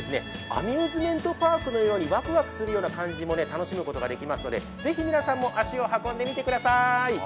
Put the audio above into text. アミューズメントパークのようにわくわくする感じも楽しむことができるのでぜひ皆さんも足を運んでみてくださーい。